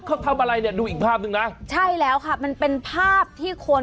เขาทำอะไรเนี่ยดูอีกภาพหนึ่งนะใช่แล้วค่ะมันเป็นภาพที่คน